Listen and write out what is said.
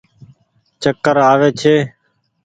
چڪر آوي ڇي ۔